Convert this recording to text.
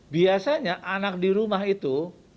biasanya anak di rumah itu